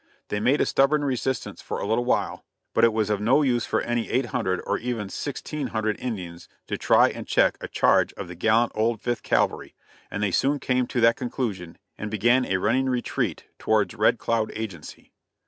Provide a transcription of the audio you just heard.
They made a stubborn resistance for a little while, but it was of no use for any eight hundred, or even sixteen hundred Indians to try and check a charge of the gallant old Fifth Cavalry, and they soon came to that conclusion and began a running retreat towards Red Cloud Agency.